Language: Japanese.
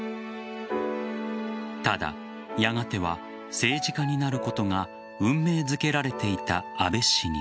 ただ、やがては政治家になることが運命づけられていた安倍氏に。